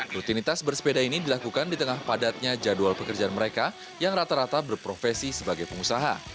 rutinitas bersepeda ini dilakukan di tengah padatnya jadwal pekerjaan mereka yang rata rata berprofesi sebagai pengusaha